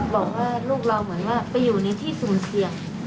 บอกว่าลูกเราเหมือนว่าไปอยู่ในที่สุ่มเสี่ยง